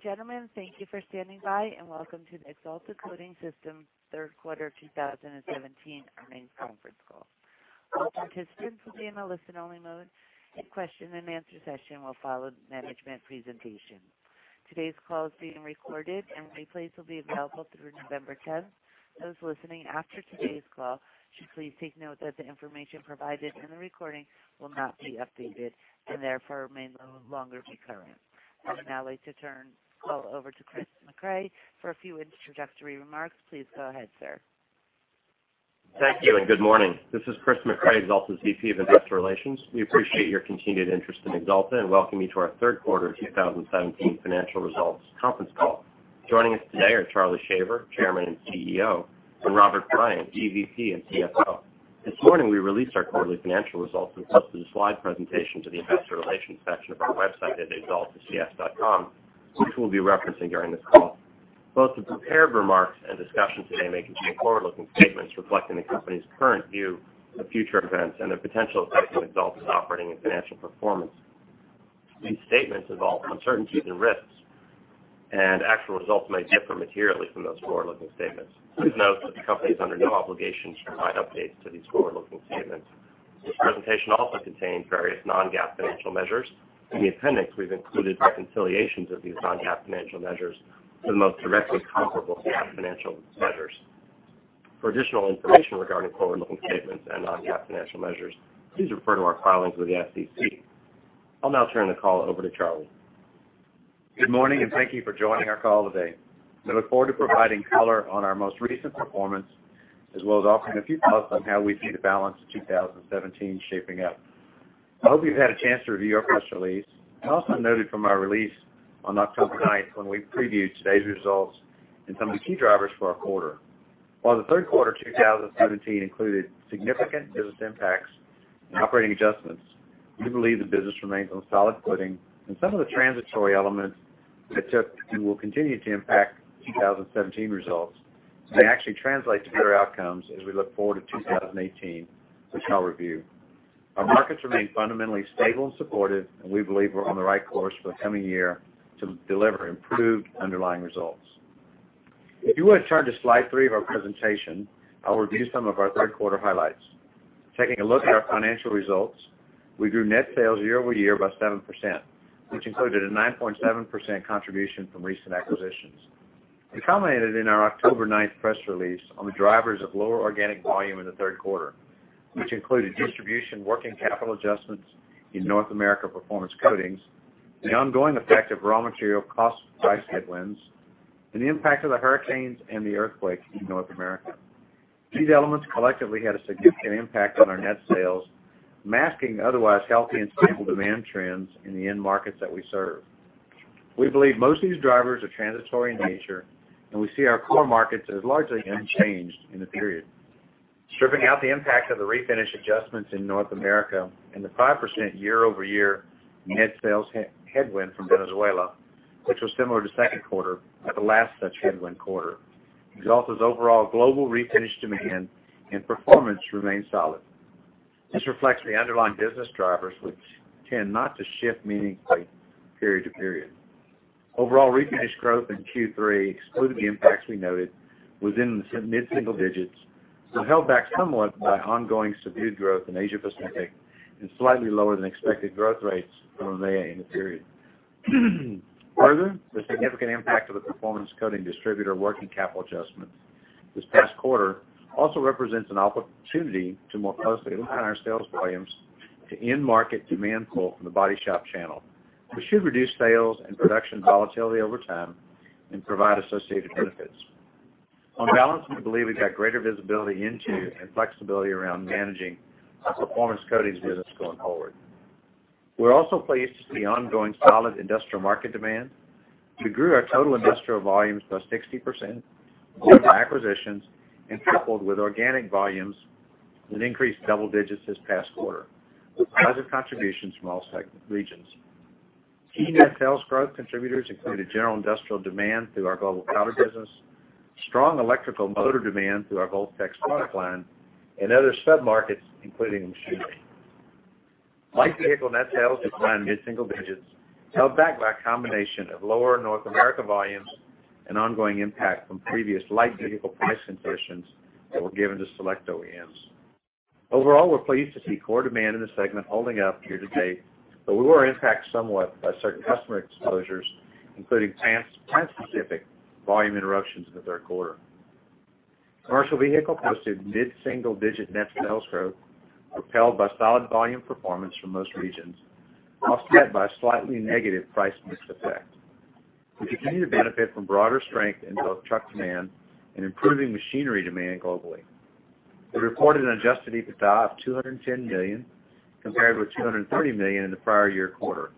Ladies and gentlemen, thank you for standing by, and welcome to the Axalta Coating Systems third quarter 2017 earnings conference call. All participants will be in a listen-only mode. A question and answer session will follow management presentation. Today's call is being recorded and replays will be available through November 10th. Those listening after today's call should please take note that the information provided in the recording will not be updated and therefore may no longer be current. I would now like to turn the call over to Chris McCrea for a few introductory remarks. Please go ahead, sir. Thank you, and good morning. This is Chris McCrea, Axalta's VP of Investor Relations. We appreciate your continued interest in Axalta and welcome you to our third quarter 2017 financial results conference call. Joining us today are Charlie Shaver, Chairman and CEO, and Robert Bryant, EVP and CFO. This morning, we released our quarterly financial results, and posted a slide presentation to the investor relations section of our website at axalta.com, which we'll be referencing during this call. Both the prepared remarks and discussion today may contain forward-looking statements reflecting the company's current view of future events and their potential effect on Axalta's operating and financial performance. These statements involve uncertainties and risks, and actual results may differ materially from those forward-looking statements. Please note that the company is under no obligation to provide updates to these forward-looking statements. This presentation also contains various non-GAAP financial measures. In the appendix, we've included reconciliations of these non-GAAP financial measures to the most directly comparable GAAP financial measures. For additional information regarding forward-looking statements and non-GAAP financial measures, please refer to our filings with the SEC. I'll now turn the call over to Charlie. Good morning, and thank you for joining our call today. I look forward to providing color on our most recent performance, as well as offering a few thoughts on how we see the balance of 2017 shaping up. I hope you've had a chance to review our press release, and also noted from our release on October 9th, when we previewed today's results and some of the key drivers for our quarter. While the third quarter 2017 included significant business impacts and operating adjustments, we believe the business remains on solid footing and some of the transitory elements that took and will continue to impact 2017 results may actually translate to better outcomes as we look forward to 2018, which I'll review. Our markets remain fundamentally stable and supportive, and we believe we're on the right course for the coming year to deliver improved underlying results. If you would turn to slide three of our presentation, I'll review some of our third quarter highlights. Taking a look at our financial results, we grew net sales year-over-year by 7%, which included a 9.7% contribution from recent acquisitions. We commented in our October 9th press release on the drivers of lower organic volume in the third quarter, which included distribution, working capital adjustments in North America Performance Coatings, the ongoing effect of raw material cost price headwinds, and the impact of the hurricanes and the earthquake in North America. These elements collectively had a significant impact on our net sales, masking otherwise healthy and stable demand trends in the end markets that we serve. We believe most of these drivers are transitory in nature, and we see our core markets as largely unchanged in the period. Stripping out the impact of the refinish adjustments in North America and the 5% year-over-year net sales headwind from Venezuela, which was similar to second quarter, the last such headwind quarter, Axalta's overall global refinish demand and performance remained solid. This reflects the underlying business drivers, which tend not to shift meaningfully period to period. Overall refinish growth in Q3, excluding the impacts we noted, was in the mid-single digits, though held back somewhat by ongoing subdued growth in Asia-Pacific and slightly lower than expected growth rates from EMEA in the period. Further, the significant impact of the Performance Coatings distributor working capital adjustments this past quarter also represents an opportunity to more closely align our sales volumes to end market demand pull from the body shop channel, which should reduce sales and production volatility over time and provide associated benefits. On balance, we believe we've got greater visibility into and flexibility around managing our Performance Coatings business going forward. We're also pleased to see ongoing solid industrial market demand. We grew our total industrial volumes by 60% due to acquisitions and coupled with organic volumes that increased double digits this past quarter, with positive contributions from all segment regions. Key net sales growth contributors included general industrial demand through our global powder business, strong electrical motor demand through our Voltatex product line, and other sub-markets, including machinery. Light vehicle net sales declined mid-single digits, held back by a combination of lower North America volumes and ongoing impact from previous light vehicle price concessions that were given to select OEMs. Overall, we're pleased to see core demand in the segment holding up year-to-date, but we were impacted somewhat by certain customer exposures, including plant-specific volume interruptions in the third quarter. Commercial Vehicle posted mid-single digit net sales growth, propelled by solid volume performance from most regions, offset by a slightly negative price mix effect. We continue to benefit from broader strength in both truck demand and improving machinery demand globally. We reported an adjusted EBITDA of $210 million, compared with $230 million in the prior year quarter,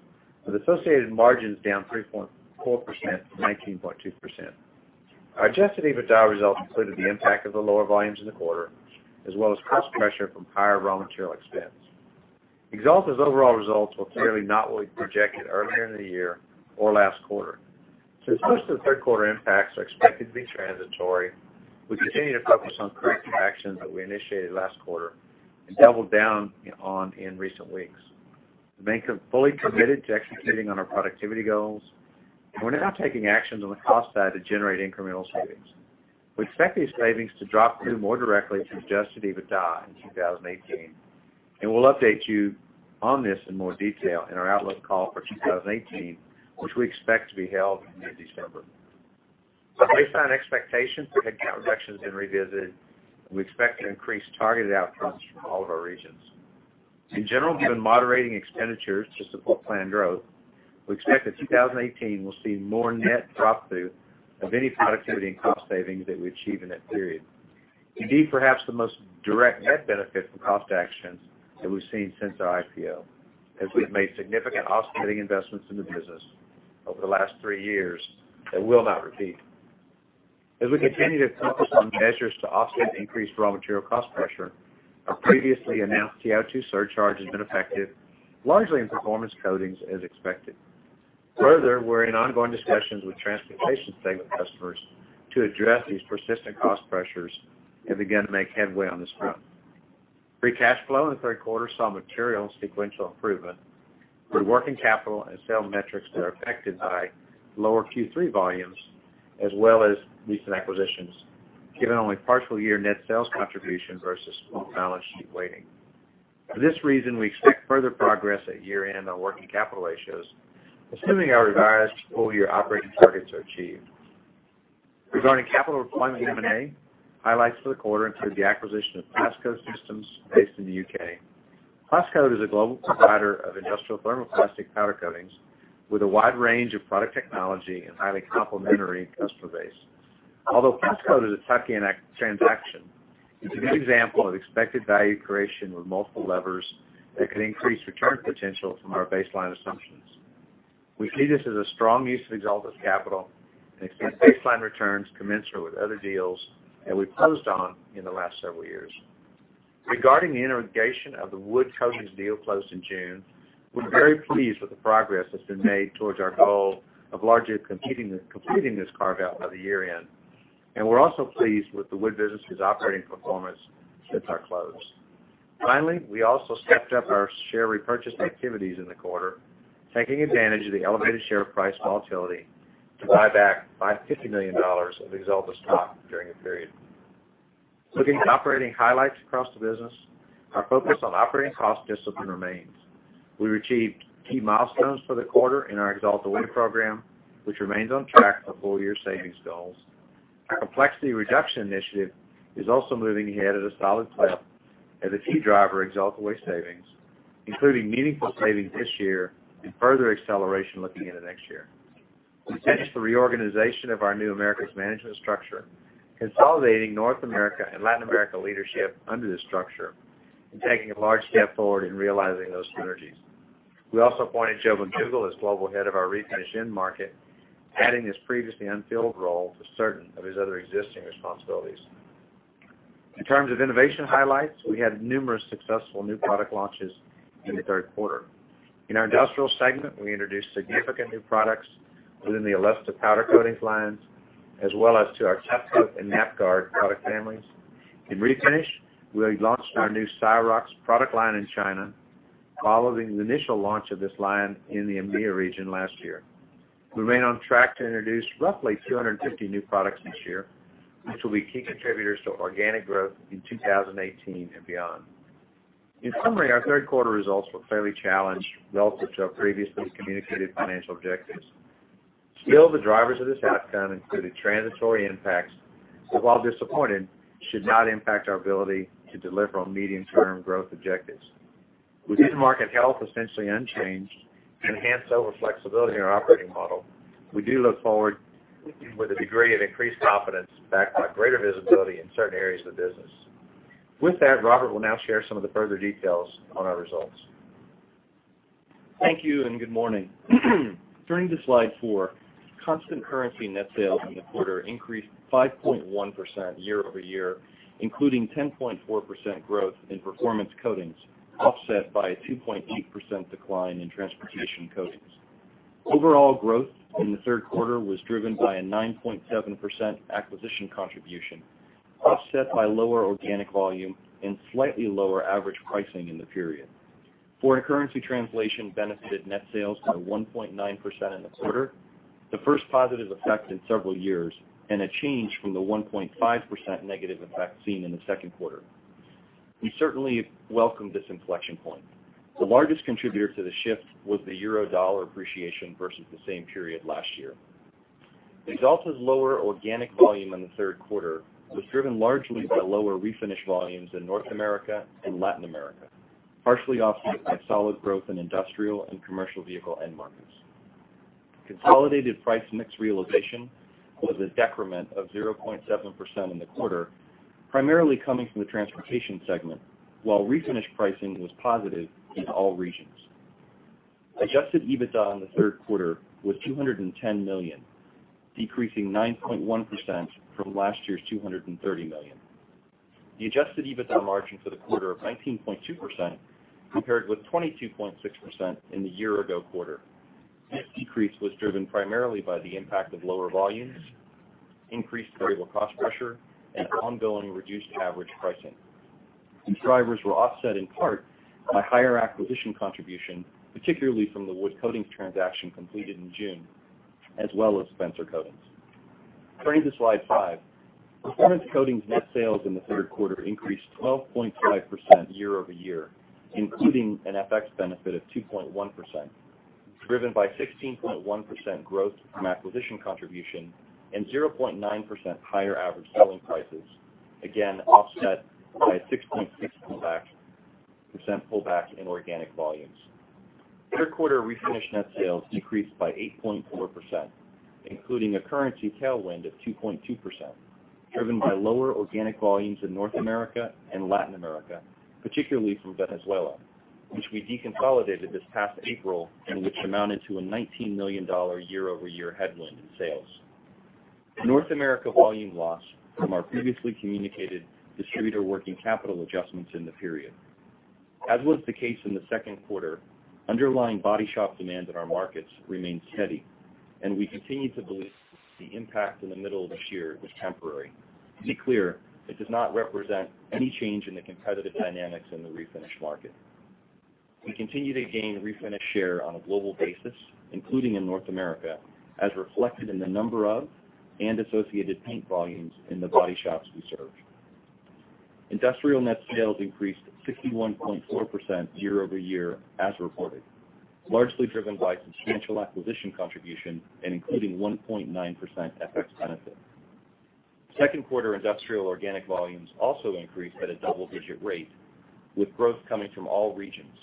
with associated margins down 3.4% from 19.2%. Our adjusted EBITDA results included the impact of the lower volumes in the quarter, as well as cost pressure from higher raw material expense. Axalta's overall results were clearly not what we projected earlier in the year or last quarter. As most of the third quarter impacts are expected to be transitory. We continue to focus on corrective actions that we initiated last quarter and doubled down on in recent weeks. We are fully committed to executing on our productivity goals, and we're now taking actions on the cost side to generate incremental savings. We expect these savings to drop through more directly to adjusted EBITDA in 2018, and we'll update you on this in more detail in our outlook call for 2018, which we expect to be held in mid-December. Based on expectations for headcount reductions being revisited, we expect to increase targeted outcomes from all of our regions. In general, given moderating expenditures to support planned growth, we expect that 2018 will see more net drop-through of any productivity and cost savings that we achieve in that period. Indeed, perhaps the most direct net benefit from cost actions that we've seen since our IPO, as we've made significant offsetting investments in the business over the last three years that will not repeat. As we continue to focus on measures to offset increased raw material cost pressure, our previously announced TiO2 surcharge has been effective, largely in Performance Coatings, as expected. Further, we're in ongoing discussions with Transportation segment customers to address these persistent cost pressures and begin to make headway on this front. Free cash flow in the third quarter saw material and sequential improvement with working capital and sales metrics that are affected by lower Q3 volumes, as well as recent acquisitions, given only partial year net sales contribution versus full balance sheet weighting. For this reason, we expect further progress at year-end on working capital ratios, assuming our revised full-year operating targets are achieved. Regarding capital deployment and M&A, highlights for the quarter include the acquisition of Plascoat Systems based in the U.K. Plascoat is a global provider of industrial thermoplastic powder coatings with a wide range of product technology and highly complementary customer base. Although Plascoat is a tuck-in transaction, it's a good example of expected value creation with multiple levers that could increase return potential from our baseline assumptions. We see this as a strong use of Axalta's capital and expect baseline returns commensurate with other deals that we've closed on in the last several years. Regarding the integration of the Wood Coatings deal closed in June, we're very pleased with the progress that's been made towards our goal of largely completing this carve-out by the year-end, and we're also pleased with the Wood business's operating performance since our close. We also stepped up our share repurchase activities in the quarter, taking advantage of the elevated share price volatility to buy back $50 million of Axalta stock during the period. Looking at operating highlights across the business, our focus on operating cost discipline remains. We achieved key milestones for the quarter in our Axalta Way program, which remains on track for full-year savings goals. Our complexity reduction initiative is also moving ahead at a solid clip as a key driver of Axalta Way savings, including meaningful savings this year and further acceleration looking into next year. We finished the reorganization of our new Americas management structure, consolidating North America and Latin America leadership under this structure and taking a large step forward in realizing those synergies. We also appointed Joe McDougall as Global Head of our Refinish end market, adding this previously unfilled role to certain of his other existing responsibilities. In terms of innovation highlights, we had numerous successful new product launches in the third quarter. In our Industrial segment, we introduced significant new products within the Alesta powder coatings lines, as well as to our Tufcote and Nap-Gard product families. In Refinish, we launched our new Cromax product line in China, following the initial launch of this line in the EMEIA region last year. We remain on track to introduce roughly 250 new products this year, which will be key contributors to organic growth in 2018 and beyond. In summary, our third quarter results were fairly challenged relative to our previously communicated financial objectives. The drivers of this outcome included transitory impacts that, while disappointing, should not impact our ability to deliver on medium-term growth objectives. With end market health essentially unchanged and enhanced overall flexibility in our operating model, we do look forward with a degree of increased confidence backed by greater visibility in certain areas of the business. With that, Robert will now share some of the further details on our results. Thank you, and good morning. Turning to slide four, constant currency net sales in the quarter increased 5.1% year-over-year, including 10.4% growth in Performance Coatings, offset by a 2.8% decline in Transportation Coatings. Overall growth in the third quarter was driven by a 9.7% acquisition contribution, offset by lower organic volume and slightly lower average pricing in the period. Foreign currency translation benefited net sales by 1.9% in the quarter, the first positive effect in several years, and a change from the 1.5% negative effect seen in the second quarter. We certainly welcome this inflection point. The largest contributor to the shift was the euro-dollar appreciation versus the same period last year. Axalta's lower organic volume in the third quarter was driven largely by lower Refinish volumes in North America and Latin America, partially offset by solid growth in industrial and commercial vehicle end markets. Consolidated price mix realization was a decrement of 0.7% in the quarter, primarily coming from the Transportation segment, while Refinish pricing was positive in all regions. Adjusted EBITDA in the third quarter was $210 million, decreasing 9.1% from last year's $230 million. The adjusted EBITDA margin for the quarter of 19.2%, compared with 22.6% in the year ago quarter. This decrease was driven primarily by the impact of lower volumes, increased variable cost pressure, and ongoing reduced average pricing. These drivers were offset in part by higher acquisition contribution, particularly from the Wood Coatings transaction completed in June, as well as Spencer Coatings. Turning to slide five, Performance Coatings net sales in the third quarter increased 12.5% year-over-year, including an FX benefit of 2.1%, driven by 16.1% growth from acquisition contribution and 0.9% higher average selling prices, again, offset by a 6.6% pullback in organic volumes. Third quarter refinish net sales decreased by 8.4%, including a currency tailwind of 2.2%, driven by lower organic volumes in North America and Latin America, particularly from Venezuela, which we deconsolidated this past April and which amounted to a $19 million year-over-year headwind in sales. North America volume loss from our previously communicated distributor working capital adjustments in the period. As was the case in the second quarter, underlying body shop demand in our markets remained steady, and we continue to believe the impact in the middle of this year was temporary. To be clear, it does not represent any change in the competitive dynamics in the refinish market. We continue to gain refinish share on a global basis, including in North America, as reflected in the number of and associated paint volumes in the body shops we serve. Industrial net sales increased 61.4% year-over-year as reported, largely driven by substantial acquisition contribution and including 1.9% FX benefit. Second quarter industrial organic volumes also increased at a double-digit rate, with growth coming from all regions,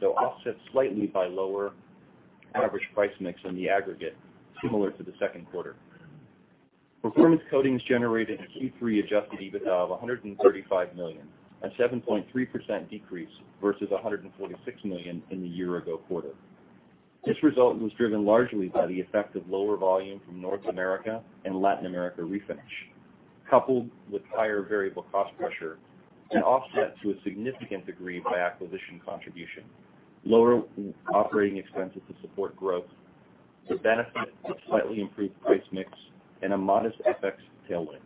though offset slightly by lower average price mix in the aggregate, similar to the second quarter. Performance Coatings generated a Q3 adjusted EBITDA of $135 million, a 7.3% decrease versus $146 million in the year ago quarter. This result was driven largely by the effect of lower volume from North America and Latin America Refinish, coupled with higher variable cost pressure and offset to a significant degree by acquisition contribution, lower operating expenses to support growth, the benefit of slightly improved price mix, and a modest FX tailwind.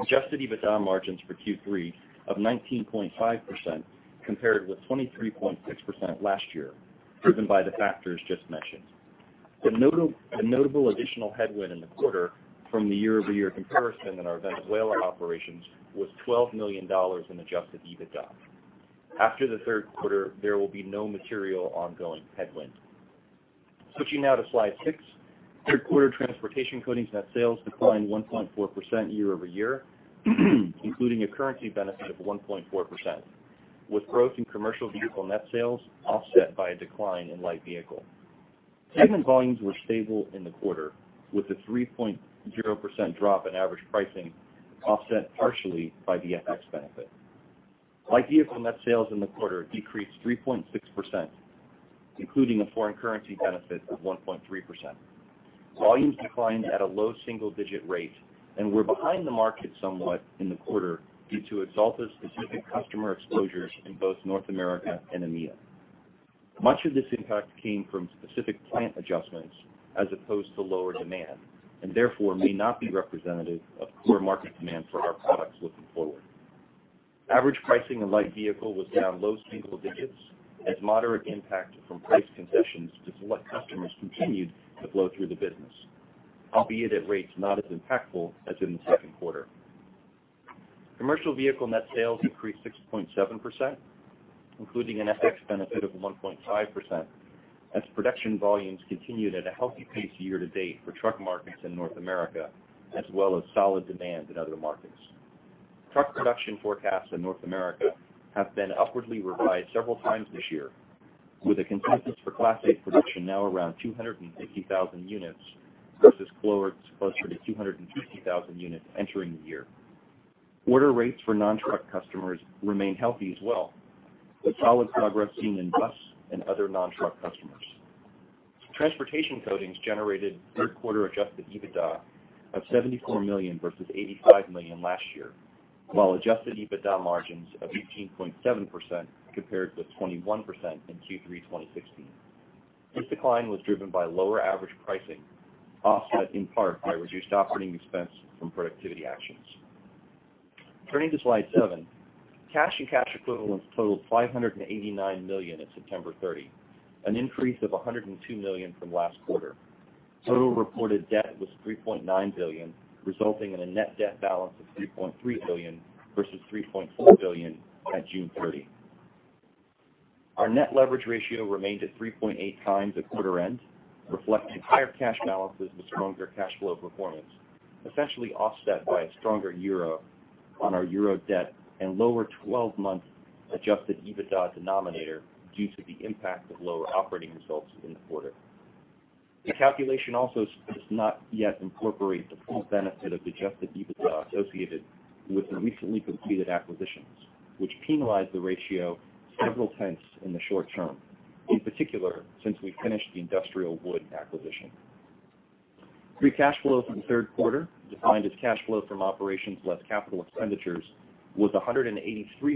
Adjusted EBITDA margins for Q3 of 19.5% compared with 23.6% last year, driven by the factors just mentioned. The notable additional headwind in the quarter from the year-over-year comparison in our Venezuela operations was $12 million in adjusted EBITDA. After the third quarter, there will be no material ongoing headwind. Switching now to slide six. Third quarter Transportation Coatings net sales declined 1.4% year-over-year, including a currency benefit of 1.4%, with growth in commercial vehicle net sales offset by a decline in light vehicle. Segment volumes were stable in the quarter, with a 3.0% drop in average pricing offset partially by the FX benefit. Light vehicle net sales in the quarter decreased 3.6%, including a foreign currency benefit of 1.3%. Volumes declined at a low single-digit rate and were behind the market somewhat in the quarter due to Axalta's specific customer exposures in both North America and EMEA. Much of this impact came from specific plant adjustments as opposed to lower demand. Therefore, may not be representative of core market demand for our products looking forward. Average pricing in light vehicle was down low single digits as moderate impact from price concessions to select customers continued to flow through the business, albeit at rates not as impactful as in the second quarter. Commercial vehicle net sales increased 6.7%, including an FX benefit of 1.5%, as production volumes continued at a healthy pace year to date for truck markets in North America, as well as solid demand in other markets. Truck production forecasts in North America have been upwardly revised several times this year, with a consensus for Class 8 production now around 260,000 units versus closer to 250,000 units entering the year. Order rates for non-truck customers remain healthy as well, with solid progress seen in bus and other non-truck customers. Transportation Coatings generated third quarter adjusted EBITDA of $74 million versus $85 million last year, while adjusted EBITDA margins of 18.7% compared with 21% in Q3 2016. This decline was driven by lower average pricing, offset in part by reduced operating expense from productivity actions. Turning to slide seven. Cash and cash equivalents totaled $589 million at September 30, an increase of $102 million from last quarter. Total reported debt was $3.9 billion, resulting in a net debt balance of $3.3 billion versus $3.4 billion at June 30. Our net leverage ratio remained at 3.8 times at quarter end, reflecting higher cash balances with stronger cash flow performance, essentially offset by a stronger euro on our euro debt and lower 12-month adjusted EBITDA denominator due to the impact of lower operating results in the quarter. The calculation also does not yet incorporate the full benefit of adjusted EBITDA associated with the recently completed acquisitions, which penalize the ratio several tenths in the short term. In particular, since we finished the Industrial Wood acquisition. Free cash flow from the third quarter, defined as cash flow from operations less capital expenditures, was $183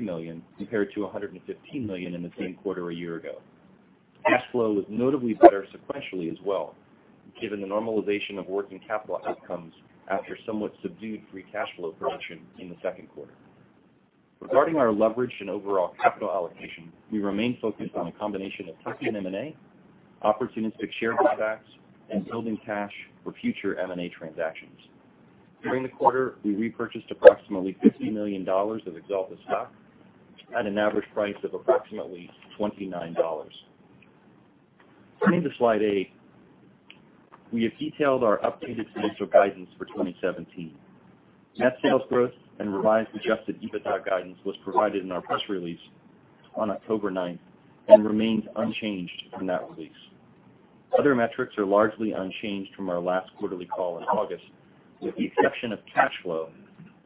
million compared to $115 million in the same quarter a year ago. Cash flow was notably better sequentially as well, given the normalization of working capital outcomes after somewhat subdued free cash flow production in the second quarter. Regarding our leverage and overall capital allocation, we remain focused on a combination of tuck-in M&A, opportunistic share buybacks, and building cash for future M&A transactions. During the quarter, we repurchased approximately $50 million of Axalta stock at an average price of approximately $29. Turning to slide eight, we have detailed our updated financial guidance for 2017. Net sales growth and revised adjusted EBITDA guidance was provided in our press release on October 9th and remains unchanged from that release. Other metrics are largely unchanged from our last quarterly call in August, with the exception of cash flow,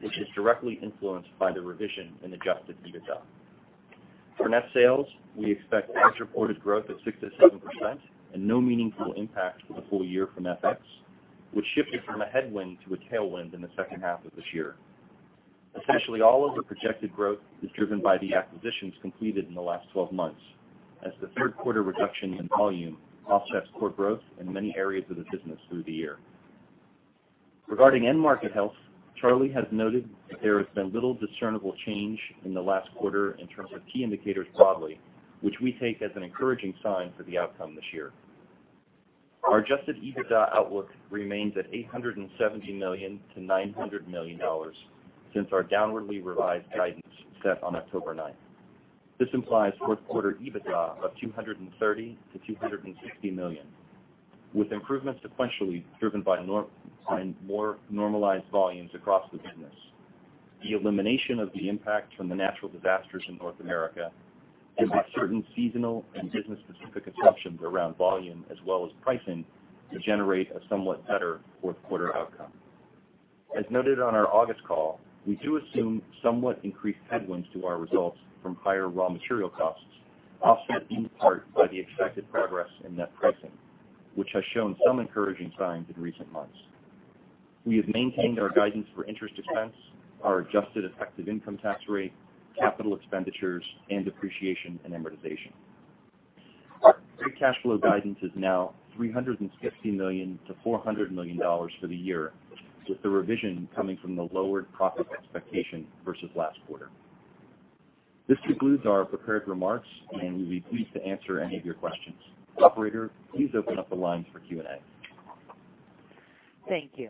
which is directly influenced by the revision in adjusted EBITDA. For net sales, we expect as-reported growth at 6%-7% and no meaningful impact for the full year from FX, which shifted from a headwind to a tailwind in the second half of this year. Essentially all of the projected growth is driven by the acquisitions completed in the last 12 months, as the third quarter reduction in volume offsets core growth in many areas of the business through the year. Regarding end market health, Charlie has noted that there has been little discernible change in the last quarter in terms of key indicators broadly, which we take as an encouraging sign for the outcome this year. Our adjusted EBITDA outlook remains at $870 million-$900 million since our downwardly revised guidance set on October 9th. This implies fourth quarter EBITDA of $230 million-$260 million, with improvements sequentially driven by more normalized volumes across the business. The elimination of the impact from the natural disasters in North America and the certain seasonal and business-specific assumptions around volume as well as pricing to generate a somewhat better fourth quarter outcome. As noted on our August call, we do assume somewhat increased headwinds to our results from higher raw material costs, offset in part by the expected progress in net pricing, which has shown some encouraging signs in recent months. We have maintained our guidance for interest expense, our adjusted effective income tax rate, capital expenditures, and depreciation and amortization. Our free cash flow guidance is now $350 million-$400 million for the year, with the revision coming from the lowered profit expectation versus last quarter. This concludes our prepared remarks, and we'd be pleased to answer any of your questions. Operator, please open up the lines for Q&A. Thank you.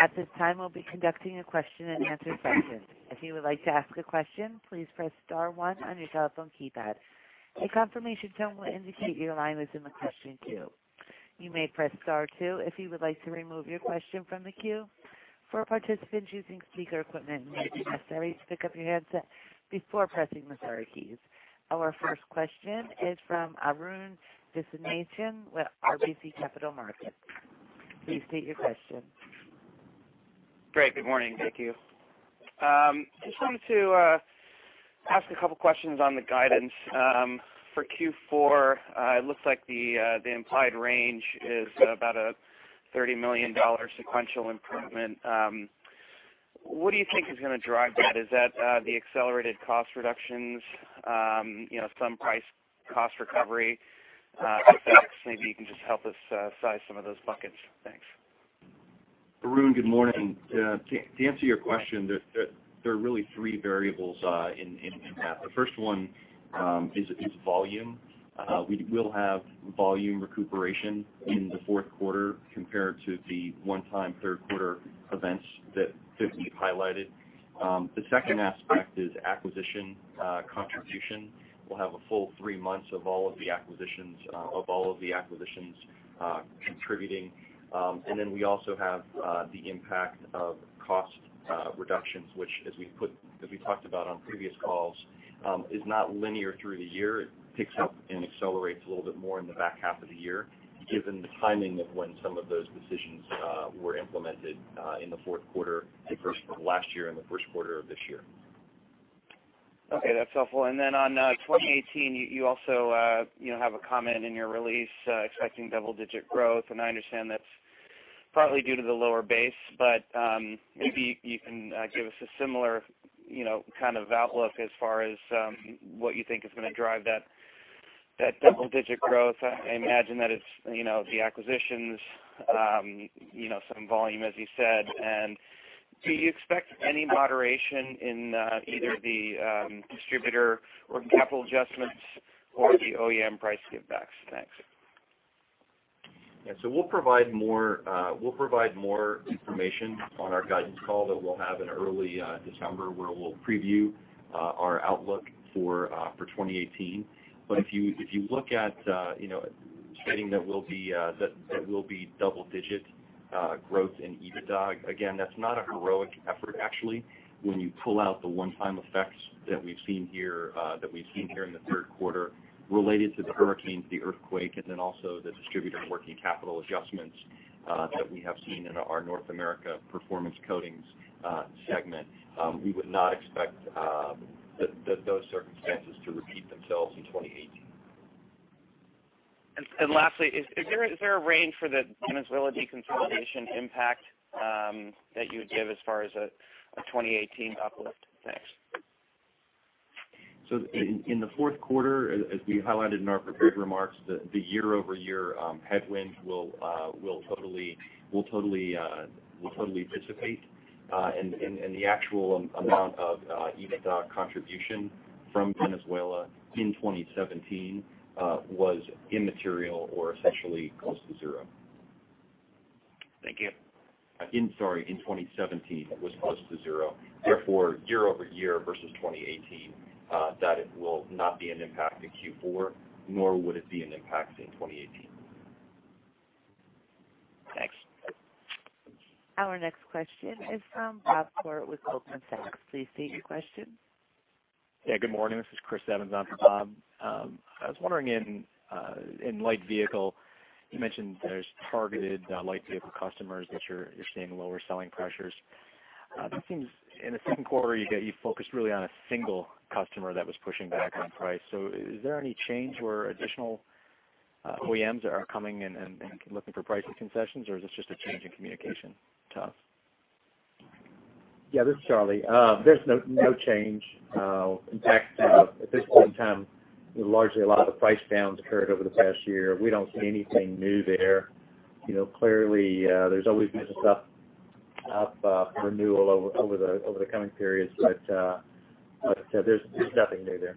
At this time, we'll be conducting a question and answer session. If you would like to ask a question, please press star one on your telephone keypad. A confirmation tone will indicate your line is in the question queue. You may press star two if you would like to remove your question from the queue. For participants using speaker equipment, it may be necessary to pick up your handset before pressing the star keys. Our first question is from Arun Viswanathan with RBC Capital Markets. Please state your question. Great. Good morning. Thank you. Just wanted to ask a couple questions on the guidance. For Q4, it looks like the implied range is about a $30 million sequential improvement. What do you think is going to drive that? Is that the accelerated cost reductions, some price cost recovery, FX? Maybe you can just help us size some of those buckets. Thanks. Arun, good morning. To answer your question, there are really three variables in that. The first one is volume. We will have volume recuperation in the fourth quarter compared to the one-time third quarter events that we've highlighted. The second aspect is acquisition contribution. We'll have a full three months of all of the acquisitions contributing. We also have the impact of cost reductions, which as we talked about on previous calls, is not linear through the year. It picks up and accelerates a little bit more in the back half of the year, given the timing of when some of those decisions were implemented in the fourth quarter of last year and the first quarter of this year. Okay. That's helpful. On 2018, you also have a comment in your release, expecting double-digit growth, and I understand that's partly due to the lower base, but maybe you can give us a similar kind of outlook as far as what you think is going to drive that double-digit growth. I imagine that it's the acquisitions, some volume, as you said. Do you expect any moderation in either the distributor working capital adjustments or the OEM price give backs? Thanks. Yeah. We'll provide more information on our guidance call that we'll have in early December, where we'll preview our outlook for 2018. If you look at stating that will be double-digit growth in EBITDA, again, that's not a heroic effort, actually. When you pull out the one-time effects that we've seen here in the third quarter related to the hurricanes, the earthquake, and then also the distributor working capital adjustments that we have seen in our North America Performance Coatings segment, we would not expect those circumstances to repeat themselves in 2018. Lastly, is there a range for the Venezuela deconsolidation impact that you would give as far as a 2018 uplift? Thanks. In the fourth quarter, as we highlighted in our prepared remarks, the year-over-year headwinds will totally dissipate. The actual amount of EBITDA contribution from Venezuela in 2017 was immaterial or essentially close to zero. Thank you. Sorry, in 2017, it was close to zero. Therefore, year-over-year versus 2018, that will not be an impact in Q4, nor would it be an impact in 2018. Thanks. Our next question is from Bob Koort with Goldman Sachs. Please state your question. Yeah, good morning. This is Christopher Evans on for Bob. I was wondering in light vehicle, you mentioned there's targeted light vehicle customers that you're seeing lower selling pressures. That seems in the second quarter, you focused really on a single customer that was pushing back on price. Is there any change or additional OEMs that are coming in and looking for pricing concessions, or is this just a change in communication to us? This is Charlie. In fact, at this point in time, largely a lot of the price downs occurred over the past year. We don't see anything new there. There's always business up renewal over the coming periods, but like I said, there's nothing new there.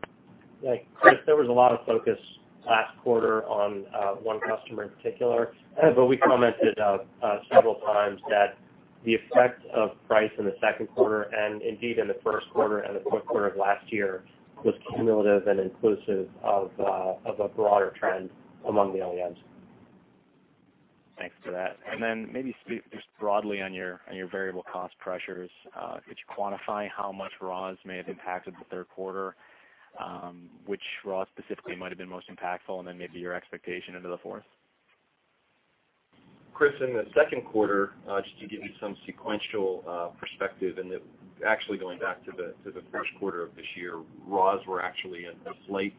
Chris, there was a lot of focus last quarter on one customer in particular. We commented several times that the effect of price in the second quarter and indeed in the first quarter and the fourth quarter of last year was cumulative and inclusive of a broader trend among the OEMs. Thanks for that. Maybe just broadly on your variable cost pressures, could you quantify how much raws may have impacted the third quarter? Which raw specifically might have been most impactful, and then maybe your expectation into the fourth? Chris, in the second quarter, just to give you some sequential perspective, and actually going back to the first quarter of this year, raws were actually slightly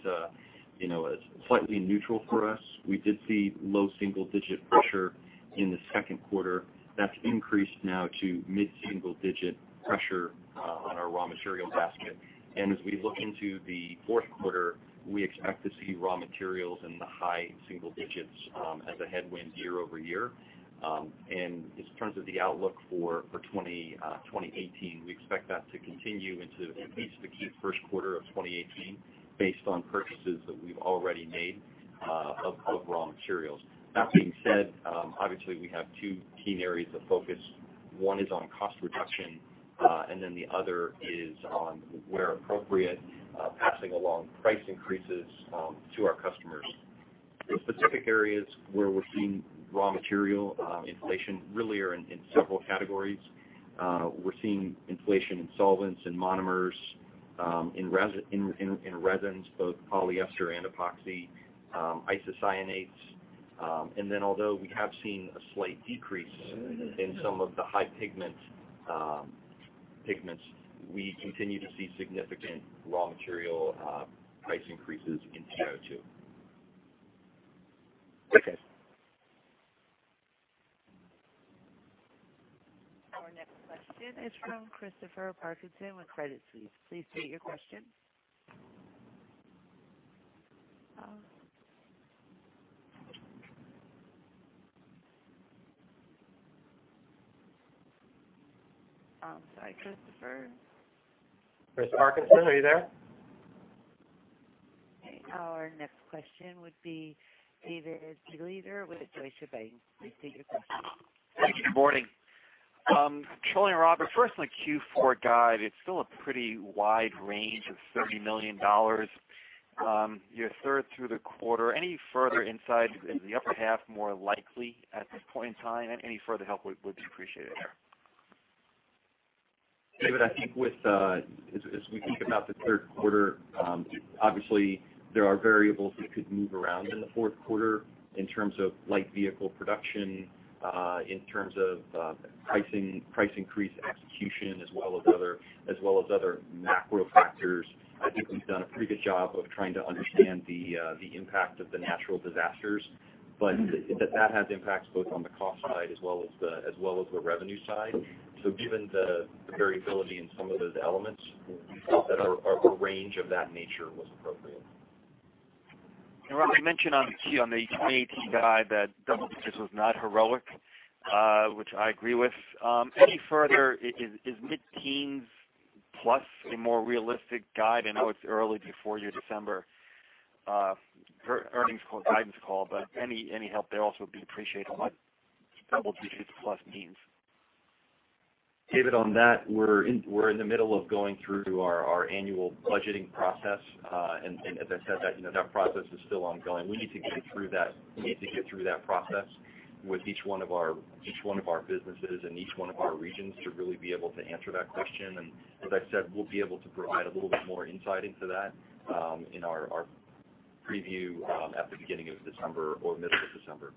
neutral for us. We did see low single-digit pressure in the second quarter. That's increased now to mid-single digit pressure on our raw material basket. As we look into the fourth quarter, we expect to see raw materials in the high single digits as a headwind year-over-year. In terms of the outlook for 2018, we expect that to continue into at least the first quarter of 2018 based on purchases that we've already made of raw materials. That being said, obviously we have two key areas of focus. One is on cost reduction, and then the other is on, where appropriate, passing along price increases to our customers. The specific areas where we're seeing raw material inflation really are in several categories. We're seeing inflation in solvents and monomers, in resins, both polyester and epoxy, isocyanates. Although we have seen a slight decrease in some of the high pigments, we continue to see significant raw material price increases in TiO2. Okay. Our next question is from Christopher Parkinson with Credit Suisse. Please state your question. I'm sorry, Christopher. Chris Parkinson, are you there? Okay, our next question would be David Begleiter with Deutsche Bank. Please state your question. Good morning. Charlie and Robert, first on the Q4 guide, it's still a pretty wide range of $30 million. You're third through the quarter. Any further insight if the upper half more likely at this point in time? Any further help would be appreciated there. David, I think as we think about the third quarter, obviously there are variables that could move around in the fourth quarter in terms of light vehicle production, in terms of price increase execution, as well as other macro factors. I think we've done a pretty good job of trying to understand the impact of the natural disasters. That has impacts both on the cost side as well as the revenue side. Given the variability in some of those elements, we felt that a range of that nature was appropriate. Rob, you mentioned on the Q3 2018 guide that double digits was not heroic, which I agree with. Any further, is mid-teens plus a more realistic guide? I know it's early before your December earnings guidance call, any help there also would be appreciated on what double digits plus means. David, on that, we're in the middle of going through our annual budgeting process. As I said, that process is still ongoing. We need to get through that process with each one of our businesses and each one of our regions to really be able to answer that question. As I said, we'll be able to provide a little bit more insight into that in our preview at the beginning of December or mid-December.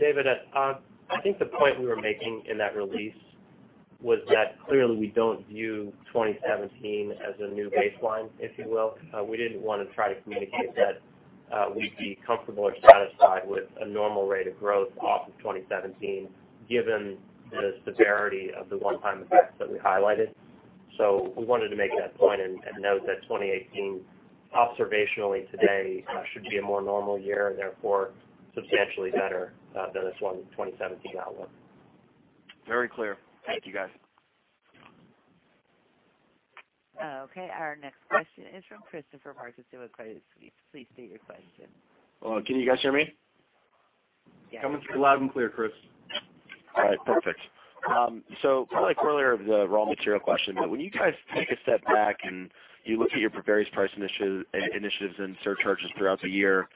David, I think the point we were making in that release Was that clearly we don't view 2017 as a new baseline, if you will. We didn't want to try to communicate that we'd be comfortable or satisfied with a normal rate of growth off of 2017, given the severity of the one-time effects that we highlighted. We wanted to make that point and note that 2018, observationally today, should be a more normal year, and therefore substantially better than this 2017 outlook. Very clear. Thank you guys. Okay, our next question is from Christopher Parkinson with Credit Suisse. Please state your question. Hello. Can you guys hear me? Yes. Coming through loud and clear, Chris. All right, perfect. Probably correlate with the raw material question, but when you guys take a step back and you look at your various price initiatives and surcharges throughout the year,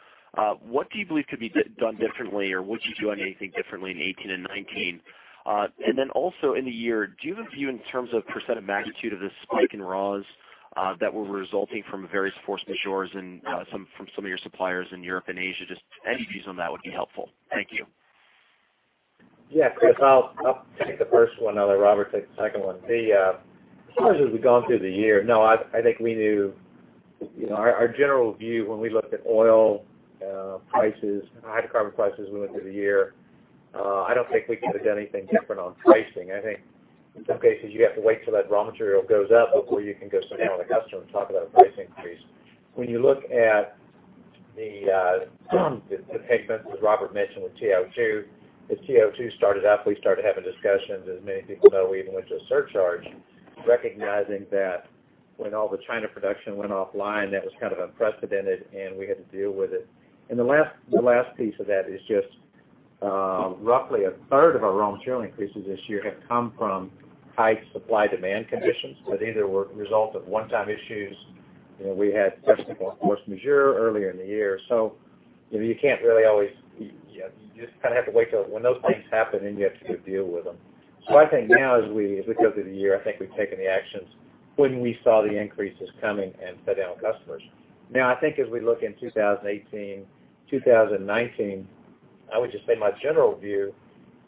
what do you believe could be done differently, or would you do anything differently in 2018 and 2019? Also in the year, do you have a view in terms of % of magnitude of the spike in raws that were resulting from various force majeures from some of your suppliers in Europe and Asia? Just any views on that would be helpful. Thank you. Yeah, Chris, I'll take the first one. I'll let Robert take the second one. As far as we've gone through the year, no, I think our general view when we looked at oil prices and hydrocarbon prices as we went through the year, I don't think we could've done anything different on pricing. I think in some cases, you have to wait till that raw material goes up before you can go sit down with a customer and talk about a price increase. When you look at the pigments, as Robert mentioned, with TiO2, as TiO2 started up, we started having discussions. As many people know, we even went to a surcharge recognizing that when all the China production went offline, that was kind of unprecedented, and we had to deal with it. The last piece of that is just roughly a third of our raw material increases this year have come from high supply-demand conditions that either were a result of one-time issues. We had force majeure earlier in the year. You just kind of have to wait till when those things happen, then you have to deal with them. I think now, as we go through the year, I think we've taken the actions when we saw the increases coming and sat down with customers. I think as we look in 2018, 2019, I would just say my general view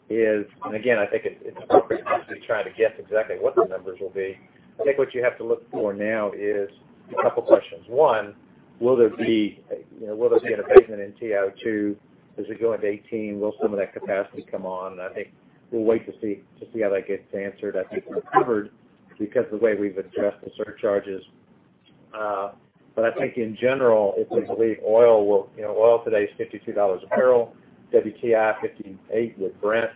is, and again, I think it's appropriate not to try to guess exactly what the numbers will be. I think what you have to look for now is a couple questions. One, will there be an abatement in TiO2 as we go into 2018? Will some of that capacity come on? I think we'll wait to see how that gets answered. I think we're covered because the way we've addressed the surcharges. I think in general, oil today is $52 a barrel, WTI $58 with Brent.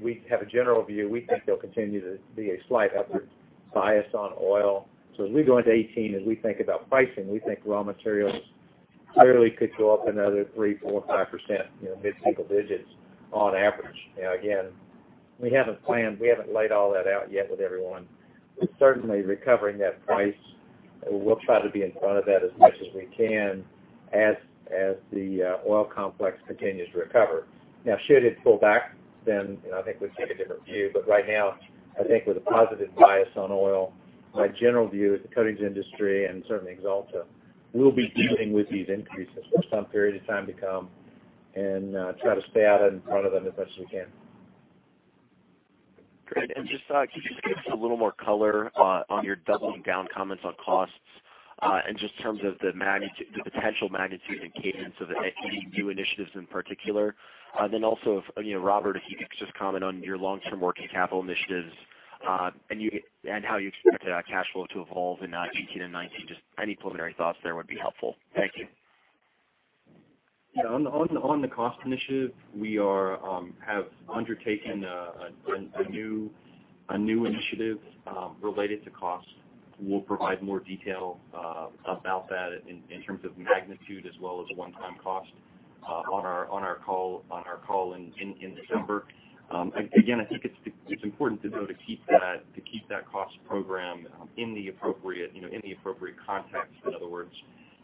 We have a general view. We think there'll continue to be a slight upward bias on oil. As we go into 2018, as we think about pricing, we think raw materials clearly could go up another 3%, 4%, 5%, mid-single digits on average. Again, we haven't laid all that out yet with everyone. Certainly recovering that price, we'll try to be in front of that as much as we can as the oil complex continues to recover. Should it pull back, then I think we'd take a different view. Right now, I think with a positive bias on oil, my general view is the coatings industry, and certainly Axalta, will be dealing with these increases for some period of time to come, and try to stay out in front of them as best we can. Great, could you just give us a little more color on your doubling down comments on costs, and just in terms of the potential magnitude and cadence of any new initiatives in particular? Also, Robert, if you could just comment on your long-term working capital initiatives, and how you expect cash flow to evolve in 2018 and 2019. Just any preliminary thoughts there would be helpful. Thank you. Yeah. On the cost initiative, we have undertaken a new initiative related to cost. We'll provide more detail about that in terms of magnitude as well as one-time cost on our call in December. I think it's important to be able to keep that cost program in the appropriate context. In other words,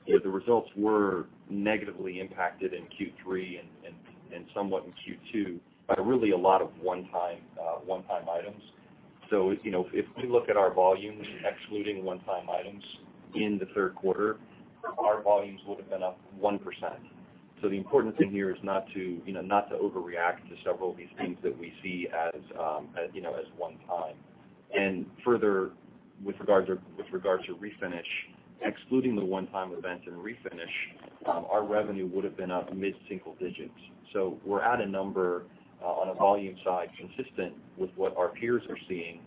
the results were negatively impacted in Q3 and somewhat in Q2, by really a lot of one-time items. If we look at our volumes, excluding one-time items in the third quarter, our volumes would've been up 1%. The important thing here is not to overreact to several of these things that we see as one time. With regards to Refinish, excluding the one-time event in Refinish, our revenue would've been up mid-single digits. We're at a number on a volume side consistent with what our peers are seeing.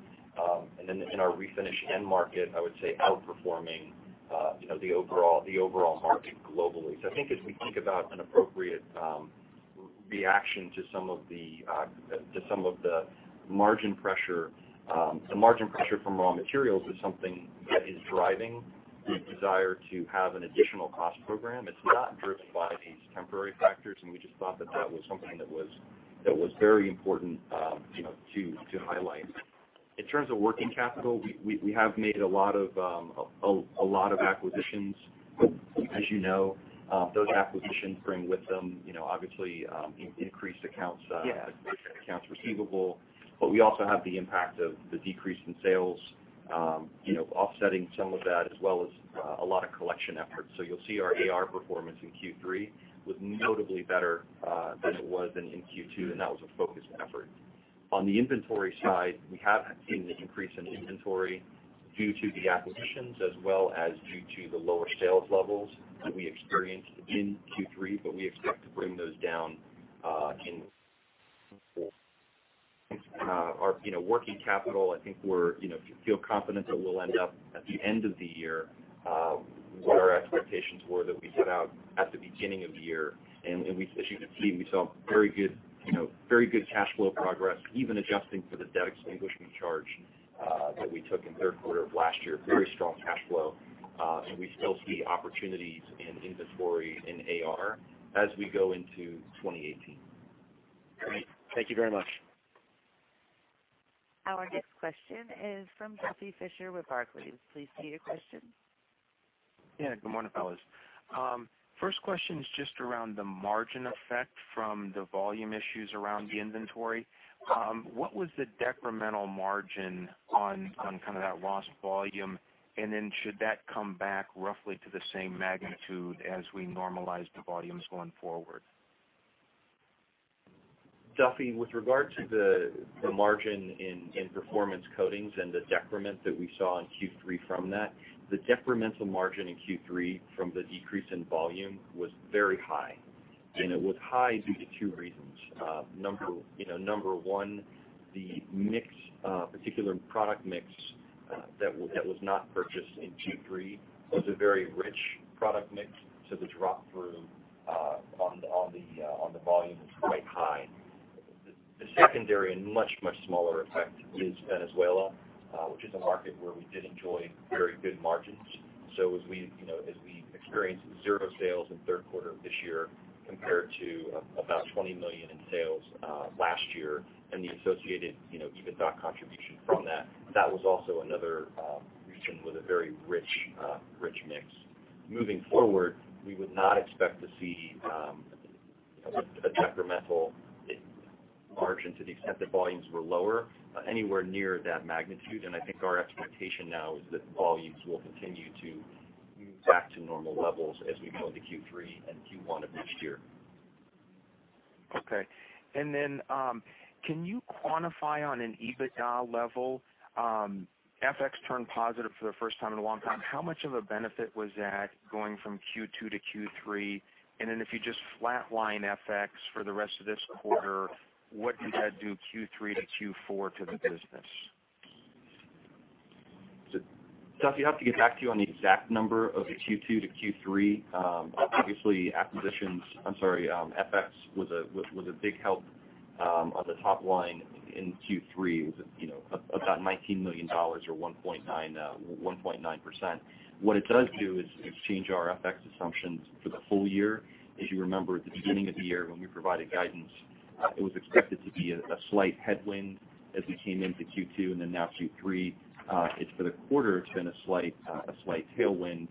In our Refinish end market, I would say outperforming the overall market globally. I think as we think about an appropriate reaction to some of the margin pressure, the margin pressure from raw materials is something that is driving the desire to have an additional cost program. It's not driven by these temporary factors, we just thought that that was something that was very important to highlight. In terms of working capital, we have made a lot of acquisitions. As you know, those acquisitions bring with them obviously increased accounts receivable. We also have the impact of the decrease in sales offsetting some of that, as well as a lot of collection efforts. You'll see our AR performance in Q3 was notably better than it was in Q2, and that was a focused effort. On the inventory side, we have seen the increase in inventory due to the acquisitions as well as due to the lower sales levels that we experienced in Q3, we expect to bring those down. Our working capital, I think we feel confident that we'll end up at the end of the year, what our expectations were that we put out at the beginning of the year. As you can see, we saw very good cash flow progress, even adjusting for the debt extinguishment charge that we took in the third quarter of last year. Very strong cash flow. We still see opportunities in inventory in AR as we go into 2018. Great. Thank you very much. Our next question is from Duffy Fischer with Barclays. Please state your question. Yeah. Good morning, fellas. First question is just around the margin effect from the volume issues around the inventory. What was the decremental margin on that lost volume? Then should that come back roughly to the same magnitude as we normalize the volumes going forward? Duffy, with regard to the margin in Performance Coatings and the decrement that we saw in Q3 from that, the decremental margin in Q3 from the decrease in volume was very high. It was high due to two reasons. Number one, the particular product mix that was not purchased in Q3 was a very rich product mix, so the drop-through on the volume is quite high. The secondary and much, much smaller effect is Venezuela, which is a market where we did enjoy very good margins. As we experienced zero sales in the third quarter of this year compared to about $20 million in sales last year, and the associated EBITDA contribution from that was also another region with a very rich mix. Moving forward, we would not expect to see a decremental margin to the extent that volumes were lower anywhere near that magnitude. I think our expectation now is that volumes will continue to move back to normal levels as we go into Q3 and Q1 of next year. Okay. Can you quantify on an EBITDA level, FX turned positive for the first time in a long time. How much of a benefit was that going from Q2 to Q3? If you just flatline FX for the rest of this quarter, what does that do Q3 to Q4 to the business? Duffy, I'll have to get back to you on the exact number of Q2 to Q3. Obviously, FX was a big help on the top line in Q3. It was about $19 million, or 1.9%. What it does do is change our FX assumptions for the full year. As you remember, at the beginning of the year when we provided guidance, it was expected to be a slight headwind as we came into Q2, now Q3. For the quarter, it's been a slight tailwind.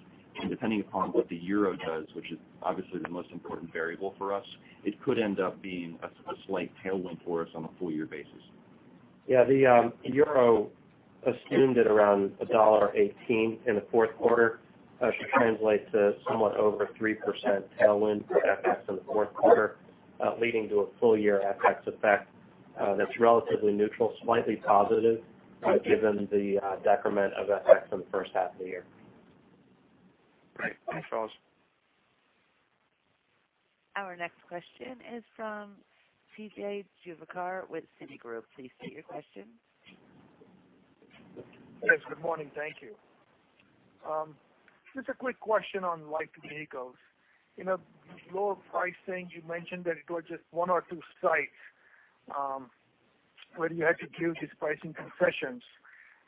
Depending upon what the euro does, which is obviously the most important variable for us, it could end up being a slight tailwind for us on a full-year basis. Yeah. The euro assumed at around $1.18 in the fourth quarter should translate to somewhat over 3% tailwind for FX in the fourth quarter, leading to a full-year FX effect that's relatively neutral, slightly positive given the decrement of FX in the first half of the year. Great. Thanks, fellas. Our next question is from P.J. Juvekar with Citigroup. Please state your question. Yes, good morning. Thank you. Just a quick question on light vehicles. Lower pricing, you mentioned that it was just one or two sites where you had to give these pricing concessions.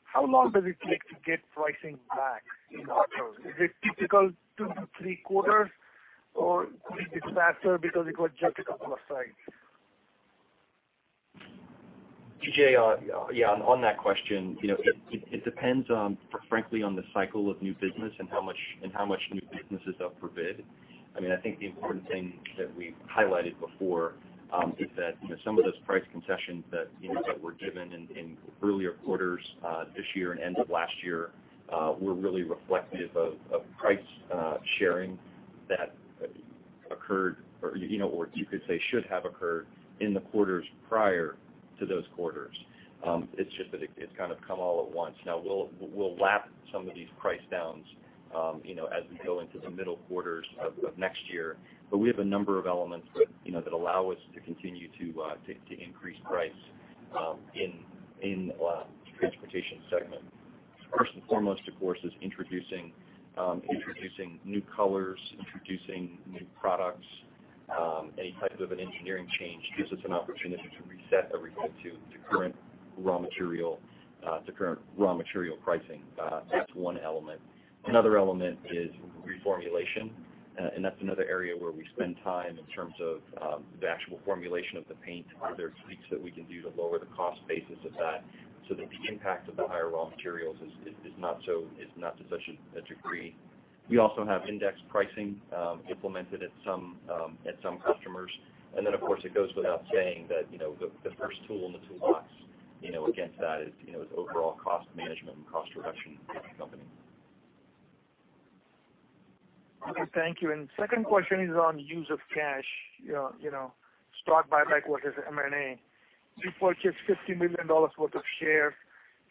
How long does it take to get pricing back in autos? Is it typical two to three quarters, or could it be faster because it was just a couple of sites? P.J., yeah, on that question, it depends, frankly, on the cycle of new business and how much new business is up for bid. I think the important thing that we've highlighted before is that some of those price concessions that were given in earlier quarters this year and end of last year were really reflective of price sharing that occurred, or you could say should have occurred, in the quarters prior to those quarters. It's just that it's kind of come all at once. Now, we'll lap some of these price downs as we go into the middle quarters of next year. We have a number of elements that allow us to continue to increase price in the transportation segment. First and foremost, of course, is introducing new colors, introducing new products. Any type of an engineering change gives us an opportunity to reset everybody to the current raw material pricing. That's one element. Another element is reformulation. That's another area where we spend time in terms of the actual formulation of the paint. Are there tweaks that we can do to lower the cost basis of that so that the impact of the higher raw materials is not to such a degree? We also have index pricing implemented at some customers. Then, of course, it goes without saying that the first tool in the toolbox against that is overall cost management and cost reduction in the company. Okay. Thank you. Second question is on use of cash. Stock buyback versus M&A. You purchased $50 million worth of shares.